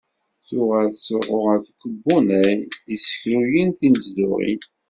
Tuɣal tettruḥu ɣer tkebbunay yessekruyen tinezduɣin.